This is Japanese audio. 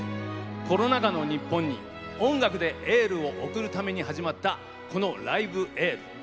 コロナ禍の日本に音楽でエールを送るために始まったこの「ライブ・エール」。